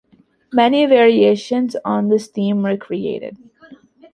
Many variations on this theme were created.